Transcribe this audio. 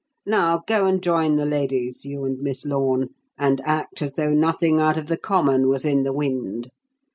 Now go and join the ladies, you and Miss Lorne, and act as though nothing out of the common was in the wind.